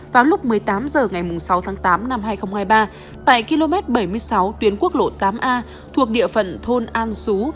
vào lúc một mươi tám h ngày sáu tháng tám năm hai nghìn hai mươi ba tại km bảy mươi sáu tuyến quốc lộ tám a thuộc địa phận thôn an sú